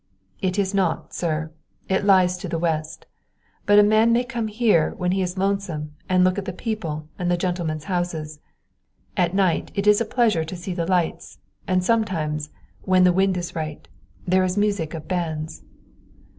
"It is not, sir. It lies to the west. But a man may come here when he is lonesome, and look at the people and the gentlemen's houses. At night it is a pleasure to see the lights, and sometimes, when the wind is right, there is music of bands."